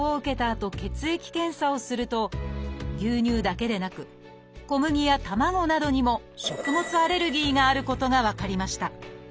あと血液検査をすると牛乳だけでなく小麦や卵などにも食物アレルギーがあることが分かりました。